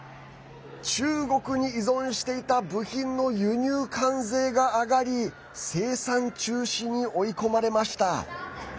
中国に依存していた部品の輸入関税が上がり生産中止に追い込まれました。